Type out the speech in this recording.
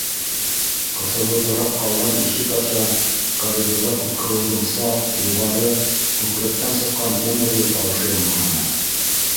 Ҡыҫылыбыраҡ ҡалған ишек аша коридорға Күкһылыуҙың саф, юғары, күкрәктән сыҡҡан тембрлы тауышы яңғыраны: